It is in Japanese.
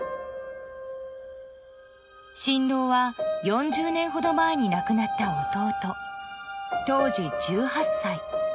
［新郎は４０年ほど前に亡くなった弟］